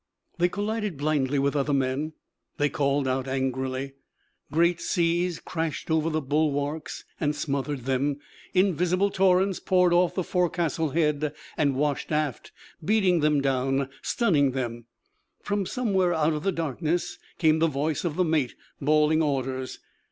They collided blindly with other men; they called out angrily. Great seas crashed over the bulwarks and smothered them; invisible torrents poured off the forecastle head and washed aft, beating them down, stunning them. From somewhere out of the darkness came the voice of the mate, bawling orders.